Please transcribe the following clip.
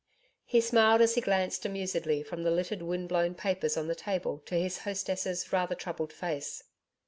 He smiled as he glanced amusedly from the littered wind blown papers on the table to his hostess' rather troubled face.